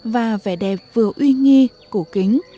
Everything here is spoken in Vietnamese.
và vẻ đẹp vừa uy nghi cổ kính